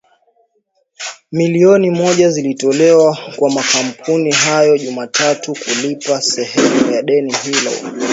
milioni moja zilitolewa kwa makampuni hayo Jumatatu kulipa sehemu ya deni hilo.